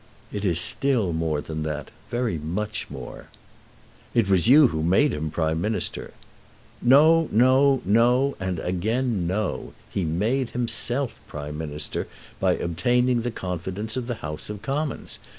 "It is still more than that; very much more." "It was you who made him Prime Minister." "No, no, no; and again no. He made himself Prime Minister by obtaining the confidence of the House of Commons.